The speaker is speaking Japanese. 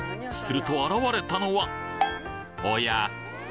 すると現れたのはおや？